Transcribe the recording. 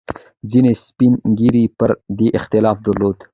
ځینې سپین ږیري پر دې اختلاف درلود.